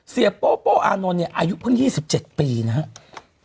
โป้โป้อานนท์เนี่ยอายุเพิ่ง๒๗ปีนะครับ